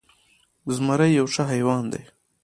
زمری یو ښه حیوان ده